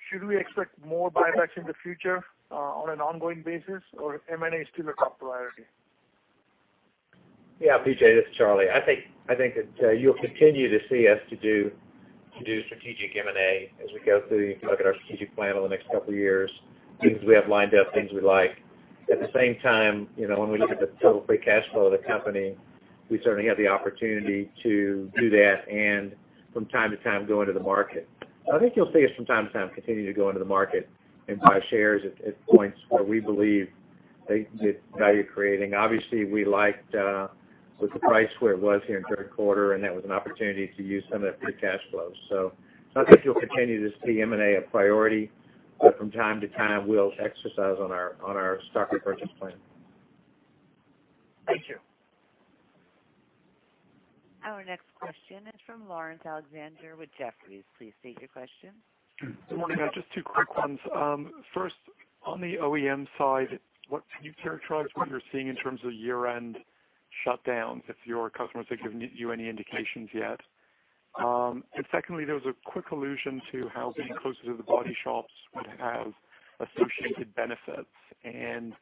Should we expect more buybacks in the future on an ongoing basis, or M&A is still a top priority? Yeah, P.J., this is Charlie. I think that you'll continue to see us to do strategic M&A as we go through. If you look at our strategic plan over the next couple of years, things we have lined up, things we like. At the same time, when we look at the total free cash flow of the company, we certainly have the opportunity to do that and from time to time go into the market. I think you'll see us from time to time continue to go into the market and buy shares at points where we believe they get value-creating. Obviously, we liked with the price where it was here in third quarter, and that was an opportunity to use some of that free cash flow. I think you'll continue to see M&A a priority, but from time to time, we'll exercise on our stock repurchase plan. Thank you. Our next question is from Laurence Alexander with Jefferies. Please state your question. Good morning. Just two quick ones. First, on the OEM side, what can you characterize what you're seeing in terms of year-end shutdowns, if your customers are giving you any indications yet? Secondly, there was a quick allusion to how being closer to the body shops would have associated benefits, and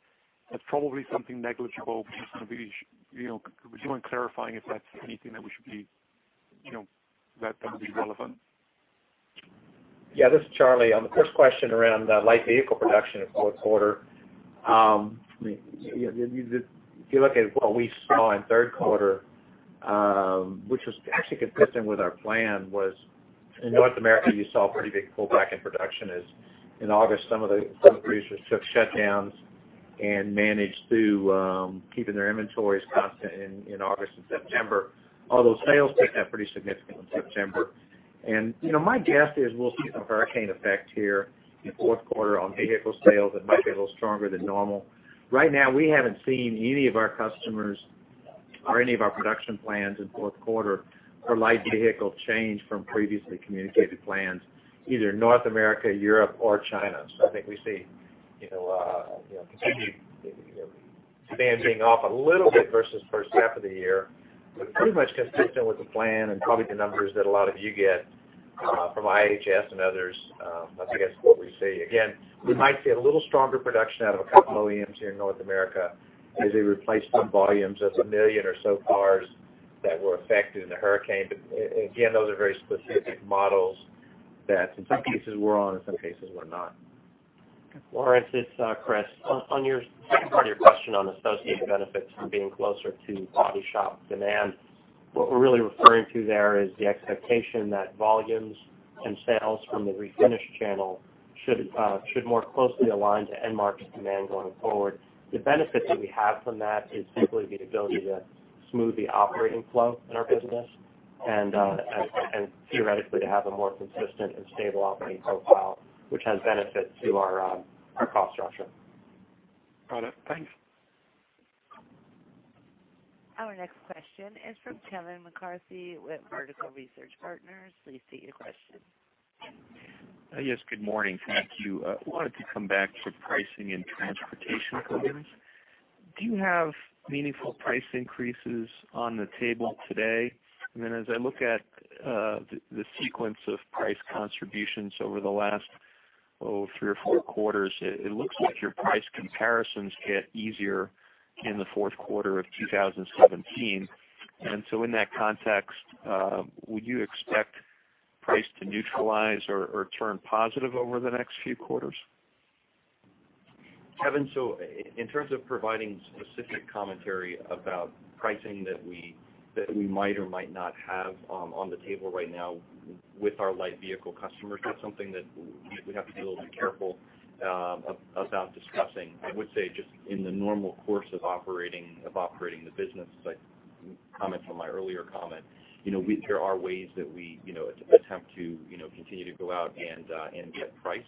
that's probably something negligible, but just wondering, clarifying if that's anything that would be relevant. Yeah, this is Charlie. On the first question around light vehicle production in fourth quarter. If you look at what we saw in third quarter, which was actually consistent with our plan, was in North America, you saw a pretty big pullback in production as in August some of the producers took shutdowns and managed to keeping their inventories constant in August and September, although sales picked up pretty significantly in September. My guess is we'll see some hurricane effect here in fourth quarter on vehicle sales. It might be a little stronger than normal. Right now, we haven't seen any of our customers or any of our production plans in fourth quarter for light vehicle change from previously communicated plans, either North America, Europe, or China. I think we see continued demand being off a little bit versus first half of the year, but pretty much consistent with the plan and probably the numbers that a lot of you get from IHS and others. That's, I guess, what we see. Again, we might see a little stronger production out of a couple OEMs here in North America as they replace some volumes. That's $1 million or so cars that were affected in the hurricane. Again, those are very specific models that in some cases we're on, in some cases we're not. Laurence, it's Chris. On your second part of your question on associated benefits from being closer to body shop demand, what we're really referring to there is the expectation that volumes and sales from the refinish channel should more closely align to end market demand going forward. The benefit that we have from that is simply the ability to smooth the operating flow in our business and theoretically to have a more consistent and stable operating profile, which has benefit to our cost structure. Got it. Thanks. Our next question is from Kevin McCarthy with Vertical Research Partners. Please state your question. Yes, good morning. Thank you. I wanted to come back to pricing and Transportation Coatings. Do you have meaningful price increases on the table today? As I look at the sequence of price contributions over the last three or four quarters, it looks like your price comparisons get easier in the fourth quarter of 2017. In that context, would you expect price to neutralize or turn positive over the next few quarters? Kevin, in terms of providing specific commentary about pricing that we might or might not have on the table right now with our light vehicle customers, that's something that we have to be a little bit careful about discussing. I would say just in the normal course of operating the business, like comments on my earlier comment, there are ways that we attempt to continue to go out and get price.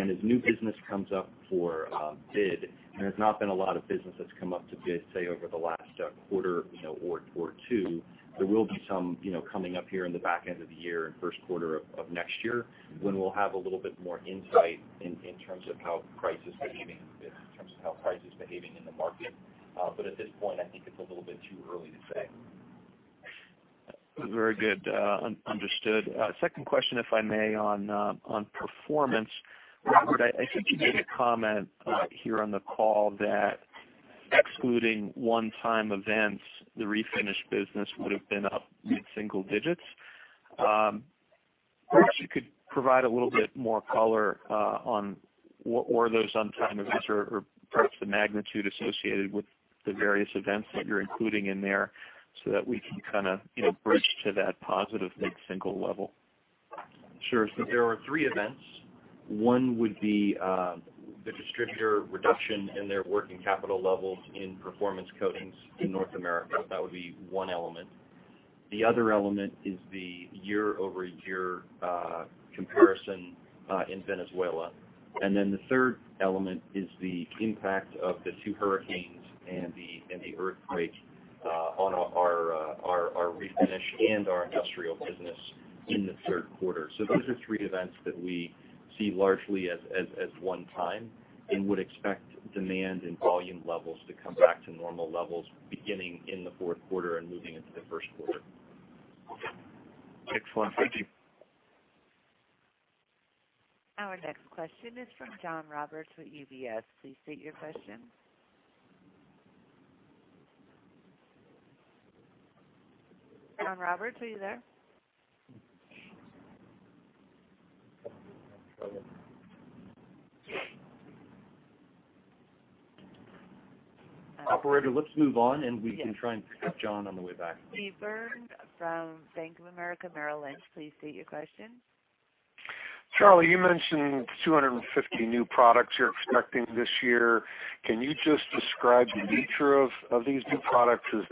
As new business comes up for bid, and there's not been a lot of business that's come up to bid, say, over the last quarter or two, there will be some coming up here in the back end of the year and first quarter of next year when we'll have a little bit more insight in terms of how price is behaving in the market. At this point, I think it's a little bit too early to say. Very good. Understood. Second question, if I may, on performance. Robert, I think you made a comment here on the call that excluding one-time events, the refinish business would have been up mid-single digits. I guess you could provide a little bit more color on what were those one-time events or perhaps the magnitude associated with the various events that you're including in there so that we can kind of bridge to that positive mid-single level. Sure. There are three events. One would be the distributor reduction in their working capital levels in Performance Coatings in North America. That would be one element. The other element is the year-over-year comparison in Venezuela. The third element is the impact of the two hurricanes and the earthquake on our refinish and our industrial business in the third quarter. Those are three events that we see largely as one time and would expect demand and volume levels to come back to normal levels beginning in the fourth quarter and moving into the first quarter. Excellent. Thank you. Our next question is from John Roberts with UBS. Please state your question. John Roberts, are you there? Operator, let's move on, and we can try and pick up John on the way back. Steve Byrne from Bank of America Merrill Lynch, please state your question. Charlie, you mentioned 250 new products you're expecting this year. Can you just describe the nature of these new products? Is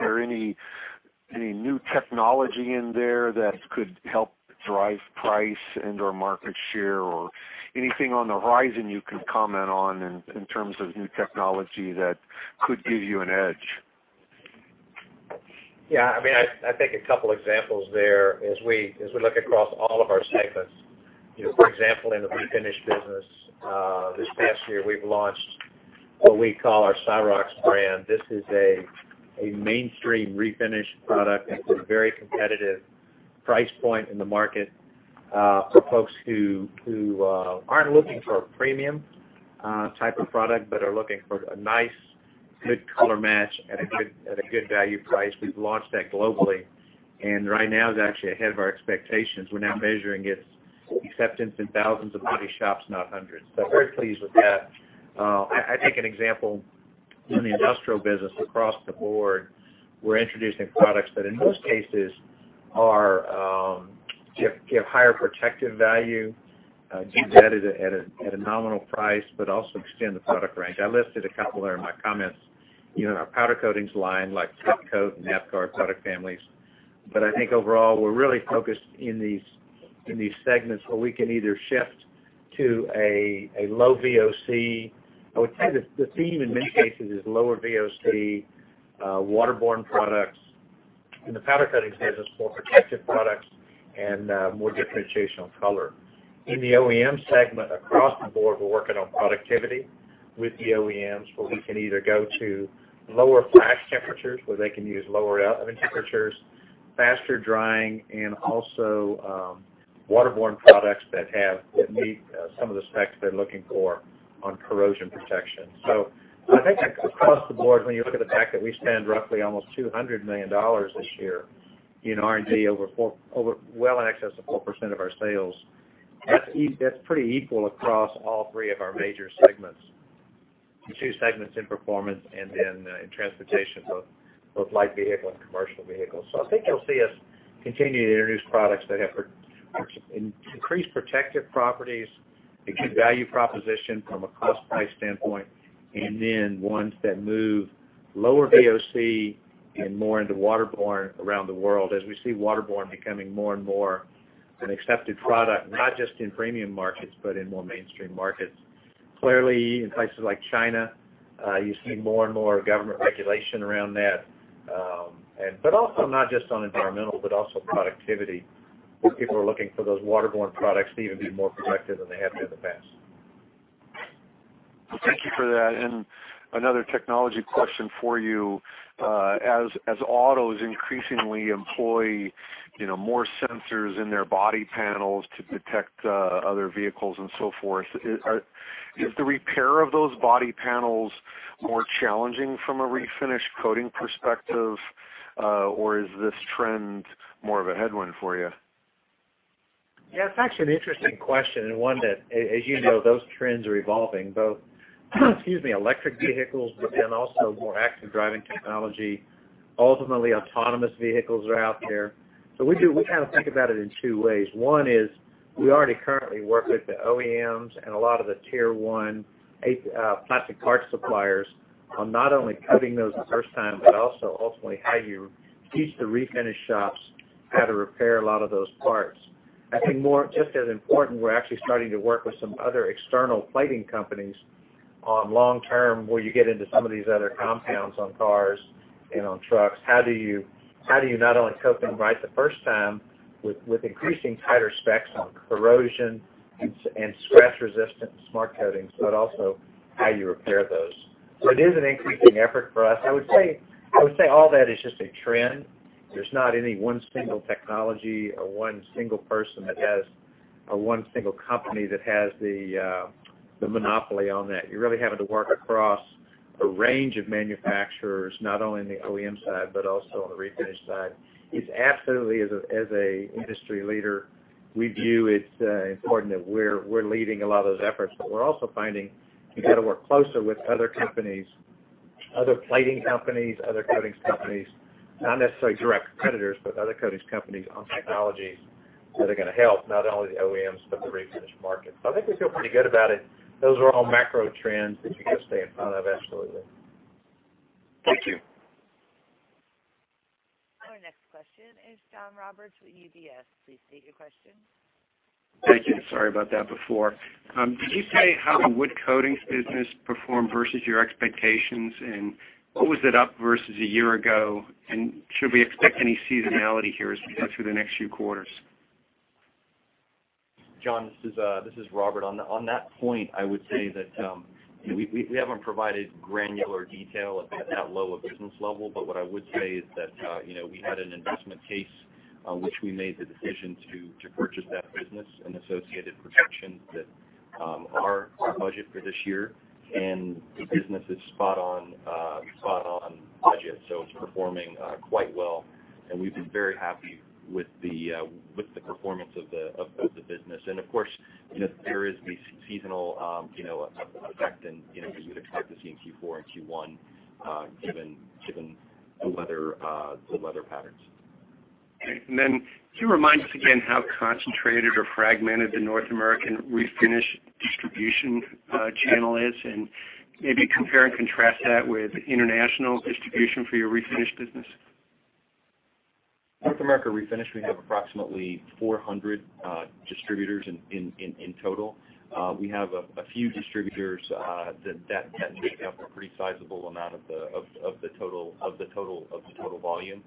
there any new technology in there that could help drive price and/or market share or anything on the horizon you can comment on in terms of new technology that could give you an edge? I think a couple examples there, as we look across all of our segments. For example, in the refinish business, this past year, we've launched what we call our Cromax brand. This is a mainstream refinish product at a very competitive price point in the market, for folks who aren't looking for a premium type of product but are looking for a nice good color match at a good value price. We've launched that globally, and right now it's actually ahead of our expectations. We're now measuring its acceptance in thousands of body shops, not hundreds. Very pleased with that. I take an example in the industrial business across the board, we're introducing products that, in most cases, give higher protective value, do that at a nominal price, but also extend the product range. I listed a couple there in my comments. Our powder coatings line, like Quick Coat and Nap-Gard product families. I think overall, we're really focused in these segments where we can either shift to a low VOC. I would say the theme in many cases is lower VOC, waterborne products. In the powder coating business, more protective products and more differentiation on color. In the OEM segment, across the board, we're working on productivity with the OEMs, where we can either go to lower flash temperatures, where they can use lower oven temperatures, faster drying, and also waterborne products that meet some of the specs they're looking for on corrosion protection. I think across the board, when you look at the fact that we spend roughly almost $200 million this year in R&D, well in excess of 4% of our sales, that's pretty equal across all 3 of our major segments. The two segments in Performance and then in Transportation, both light vehicle and commercial vehicles. I think you'll see us continue to introduce products that have increased protective properties, a good value proposition from a cost price standpoint, and then ones that move lower VOC and more into waterborne around the world, as we see waterborne becoming more and more an accepted product, not just in premium markets, but in more mainstream markets. Clearly, in places like China, you see more and more government regulation around that. Also not just on environmental, but also productivity, where people are looking for those waterborne products to even be more effective than they have been in the past. Thank you for that. Another technology question for you. As autos increasingly employ more sensors in their body panels to detect other vehicles and so forth, is the repair of those body panels more challenging from a refinish coating perspective? Is this trend more of a headwind for you? Yeah, it's actually an interesting question and one that, as you know, those trends are evolving, both electric vehicles and also more active driving technology. Ultimately, autonomous vehicles are out there. We kind of think about it in two ways. One is we already currently work with the OEMs and a lot of the tier 1 plastic parts suppliers on not only coating those the first time, but also ultimately how you teach the refinish shops how to repair a lot of those parts. I think more, just as important, we're actually starting to work with some other external plating companies on long term, where you get into some of these other compounds on cars and on trucks. How do you not only coat them right the first time with increasing tighter specs on corrosion and scratch resistance, smart coatings, but also how you repair those? It is an increasing effort for us. I would say all that is just a trend. There's not any one single technology or one single person that has, or one single company that has the monopoly on that. You're really having to work across a range of manufacturers, not only on the OEM side, but also on the refinish side. It's absolutely, as an industry leader, we view it important that we're leading a lot of those efforts. We're also finding you got to work closer with other companies, other plating companies, other coatings companies. Not necessarily direct competitors, but other coatings companies on technologies that are going to help not only the OEMs, but the refinish market. I think we feel pretty good about it. Those are all macro trends that you got to stay in front of, absolutely. Thank you. Our next question is John Roberts with UBS. Please state your question. Thank you. Sorry about that before. Could you say how the Wood Coatings business performed versus your expectations, what was it up versus a year ago? Should we expect any seasonality here as we go through the next few quarters? John, this is Robert. On that point, I would say that we haven't provided granular detail at that low a business level. What I would say is that, we had an investment case on which we made the decision to purchase that business and associated production that are to budget for this year. The business is spot on budget. It's performing quite well, and we've been very happy with the performance of the business. Of course, there is a seasonal effect as you would expect to see in Q4 and Q1, given the weather patterns. Can you remind us again how concentrated or fragmented the North American refinish distribution channel is, and maybe compare and contrast that with international distribution for your refinish business? North America Refinish, we have approximately 400 distributors in total. We have a few distributors that make up a pretty sizable amount of the total volume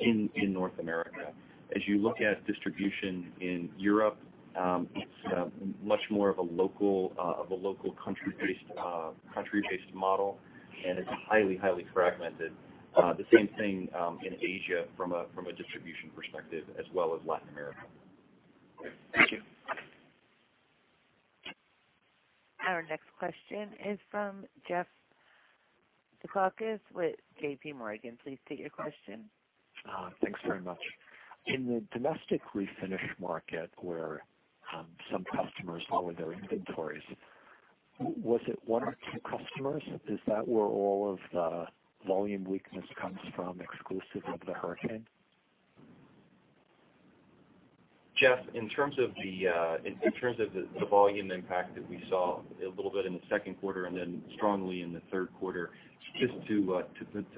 in North America. As you look at distribution in Europe, it's much more of a local country-based model, and it's highly fragmented. The same thing in Asia from a distribution perspective, as well as Latin America. Thank you. Our next question is from Jeff Zekauskas with J.P. Morgan. Please state your question. Thanks very much. In the domestic Refinish market, where some customers lower their inventories, was it one or two customers? Is that where all of the volume weakness comes from exclusive of the hurricane? Jeff, in terms of the volume impact that we saw a little bit in the second quarter and then strongly in the third quarter, just to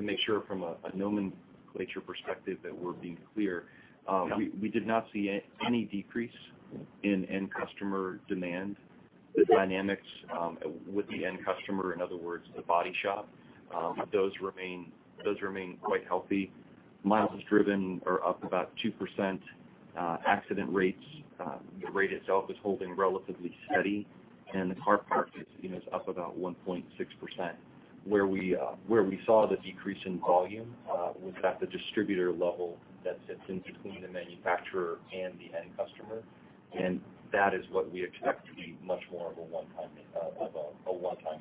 make sure from a nomenclature perspective that we're being clear. Yeah. We did not see any decrease in end customer demand. The dynamics with the end customer, in other words, the body shop, those remain quite healthy. Miles driven are up about 2%. Accident rates, the rate itself is holding relatively steady, and the car park is up about 1.6%. Where we saw the decrease in volume was at the distributor level that sits in between the manufacturer and the end customer, and that is what we expect to be much more of a one-time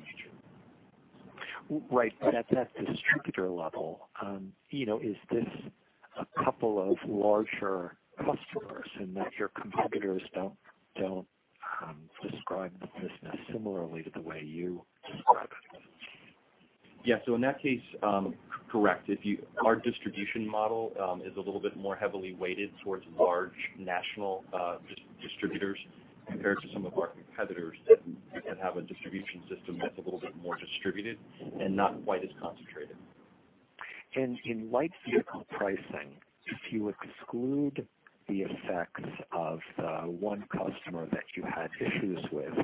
nature. Right. At that distributor level, is this a couple of larger customers and that your competitors don't describe the business similarly to the way you describe it? Yeah. In that case, correct. Our distribution model is a little bit more heavily weighted towards large national distributors compared to some of our competitors that have a distribution system that's a little bit more distributed and not quite as concentrated. In light vehicle pricing, if you exclude the effects of the one customer that you had issues with,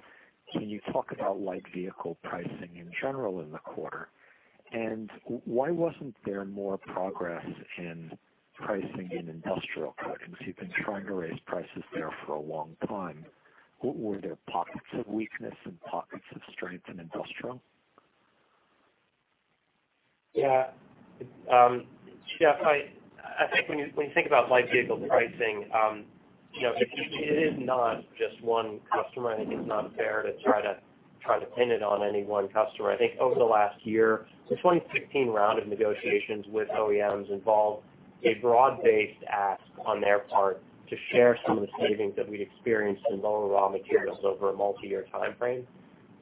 can you talk about light vehicle pricing in general in the quarter? Why wasn't there more progress in pricing in industrial coatings? You've been trying to raise prices there for a long time. Were there pockets of weakness and pockets of strength in industrial? Jeff, I think when you think about light vehicle pricing, it is not just one customer. I think it's not fair to try to pin it on any one customer. I think over the last year, the 2016 round of negotiations with OEMs involved a broad-based ask on their part to share some of the savings that we'd experienced in lower raw materials over a multi-year timeframe.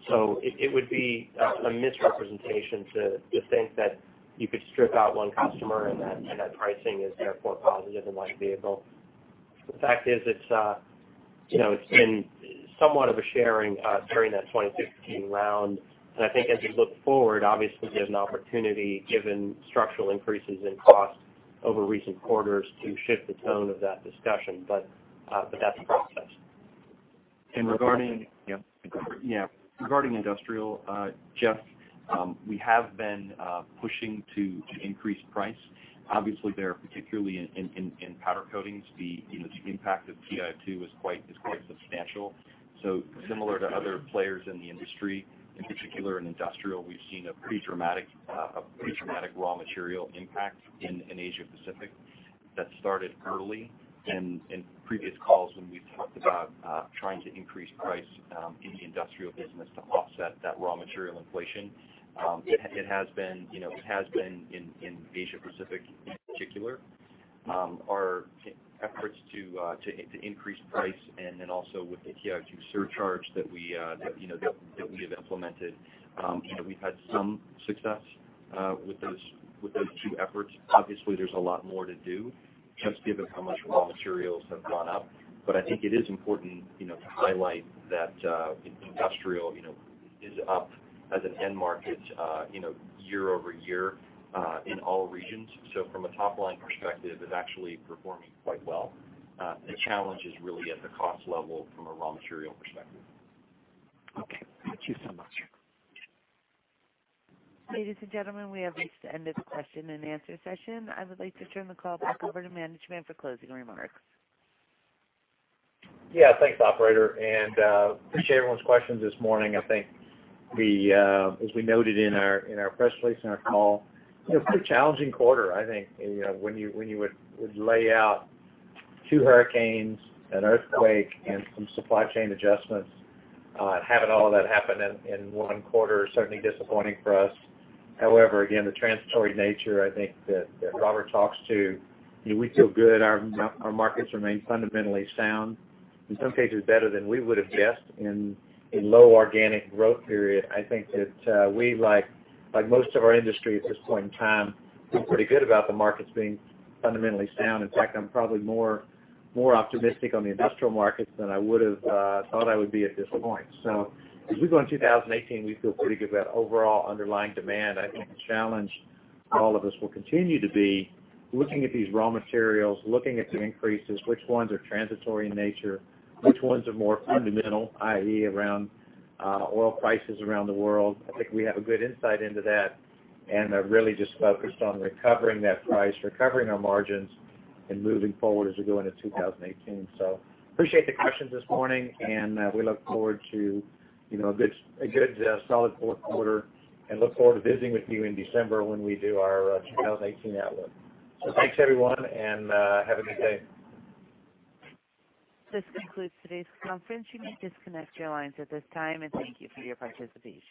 It would be a misrepresentation to think that you could strip out one customer and that pricing is therefore positive in light vehicle. The fact is, it's been somewhat of a sharing during that 2016 round. I think as we look forward, obviously, there's an opportunity, given structural increases in cost over recent quarters, to shift the tone of that discussion. That's a process. Regarding industrial, Jeff, we have been pushing to increase price. Obviously, there, particularly in powder coatings, the impact of TiO2 is quite substantial. Similar to other players in the industry, in particular in industrial, we've seen a pretty dramatic raw material impact in Asia Pacific that started early. In previous calls, when we've talked about trying to increase price in the industrial business to offset that raw material inflation, it has been in Asia Pacific in particular. Our efforts to increase price and then also with the TiO2 surcharge that we have implemented, we've had some success with those two efforts. Obviously, there's a lot more to do just given how much raw materials have gone up. I think it is important to highlight that in industrial is up as an end market year-over-year in all regions. From a top line perspective, is actually performing quite well. The challenge is really at the cost level from a raw material perspective. Okay. Thank you so much. Ladies and gentlemen, we have reached the end of the question and answer session. I would like to turn the call back over to management for closing remarks. Yeah. Thanks, operator, and appreciate everyone's questions this morning. I think as we noted in our press release and our call, it's a pretty challenging quarter, I think, when you would lay out two hurricanes, an earthquake, and some supply chain adjustments. Having all of that happen in one quarter is certainly disappointing for us. However, again, the transitory nature, I think that Robert talks to, we feel good. Our markets remain fundamentally sound, in some cases better than we would've guessed in a low organic growth period. I think that we, like most of our industry at this point in time, feel pretty good about the markets being fundamentally sound. In fact, I'm probably more optimistic on the industrial markets than I would've thought I would be at this point. As we go in 2018, we feel pretty good about overall underlying demand. I think the challenge all of us will continue to be looking at these raw materials, looking at the increases, which ones are transitory in nature, which ones are more fundamental, i.e., around oil prices around the world. I think we have a good insight into that, and are really just focused on recovering that price, recovering our margins, and moving forward as we go into 2018. Appreciate the questions this morning, and we look forward to a good solid fourth quarter and look forward to visiting with you in December when we do our 2018 outlook. Thanks, everyone, and have a good day. This concludes today's conference. You may disconnect your lines at this time, and thank you for your participation.